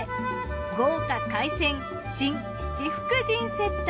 豪華海鮮真・七福神セット。